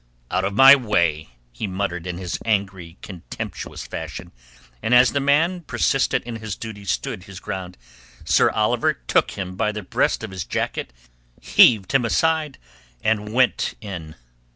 "Out of my way!" he muttered in his angry, contemptuous fashion, and as the man persistent in his duty stood his ground, Sir Oliver took him by the breast of his jacket, heaved him aside and went in.